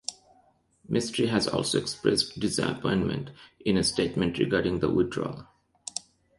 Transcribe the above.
Mistry has also expressed disappointment in a statement regarding the withdrawal.